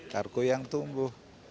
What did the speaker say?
kargo yang tumbuh